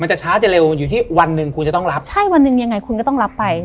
จะช้าจะเร็วอยู่ที่วันหนึ่งคุณจะต้องรับใช่วันหนึ่งยังไงคุณก็ต้องรับไป